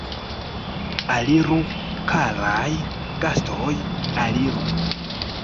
Aliru, karaj gastoj, aliru!